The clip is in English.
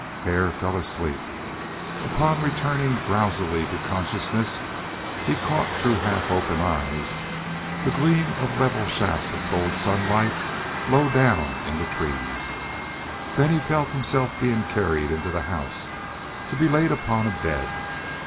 Hare fell asleep. Upon returning drowsily to consciousness he caught through half open eyes the gleam of level shafts of gold sunlight low down in the trees; then he felt himself being carried into the house to be laid upon a bed.